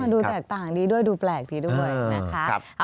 ดูแตกต่างดีด้วยดูแปลกดีด้วยนะคะ